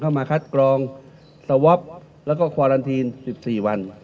มาคัดกรองสวอปแล้วก็ควาลันทีน๑๔วัน